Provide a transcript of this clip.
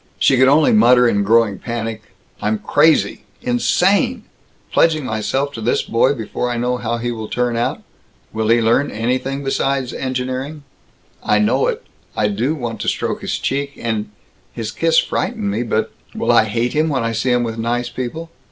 She could only mutter in growing panic, "I'm crazy. In sane! Pledging myself to this boy before I know how he will turn out. Will he learn anything besides engineering? I know it I do want to stroke his cheek and his kiss frightened me, but Will I hate him when I see him with nice people?